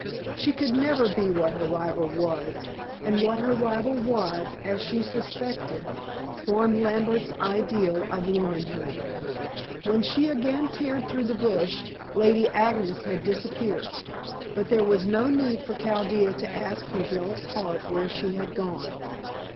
She could never be what her rival was, and what her rival was, as she suspected, formed Lambert's ideal of womanhood. When she again peered through the bush, Lady Agnes had disappeared. But there was no need for Chaldea to ask her jealous heart where she had gone.